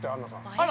◆あら？